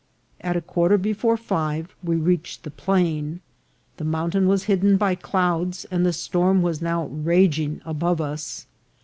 At a quarter before five we reached the plain. The mount ain was hidden by clouds, and the storm was now ra ging above us.